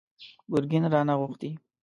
ګرګين رانه غوښتي!